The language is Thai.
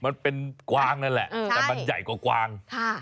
มันเป็นกวางนั่นแหละแต่มันใหญ่กว่ากวาง